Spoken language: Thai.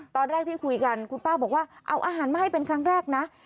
ตอนแรกที่คุยกันคุณป้าบอกว่าเอาอาหารมาให้เป็นครั้งแรกนะ